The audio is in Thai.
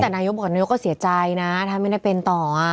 แต่นายกบอกนายกก็เสียใจนะถ้าไม่ได้เป็นต่อ